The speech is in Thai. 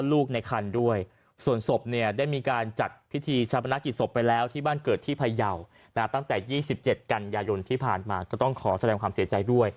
ลูกในคันด้วยส่วนศพเนี่ยได้มีการจัดพิธีชาปนกิจศพไปแล้วที่บ้านเกิดที่พยาวตั้งแต่๒๗กันยายนที่ผ่านมาก็ต้องขอแสดงความเสียใจด้วย